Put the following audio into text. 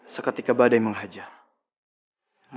seketika badai menghajam